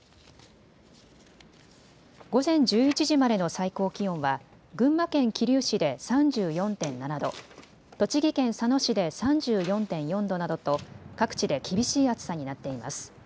午前１１時までの最高気温は群馬県桐生市で３４．７度、栃木県佐野市で３４．４度などと各地で厳しい暑さになっています。